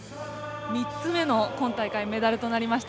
３つ目の今大会、メダルとなりました。